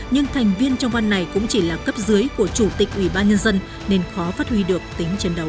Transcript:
nhưng thành viên trong ban này cũng chỉ là cấp dưới của chủ tịch ủy ban nhân dân nên khó phát huy được tính chiến đấu